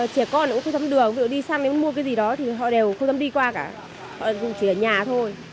trẻ con cũng không dám đường đi xăm mua cái gì đó thì họ đều không dám đi qua cả họ chỉ ở nhà thôi